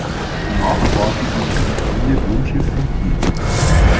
Danach war sie bis Kriegsende Wohnschiff in Kiel.